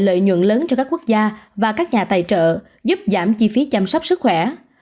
lợi nhuận lớn cho các quốc gia và các nhà tài trợ giúp giảm chi phí chăm sóc sức khỏe